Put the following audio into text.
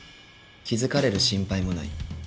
気づかれる心配もない。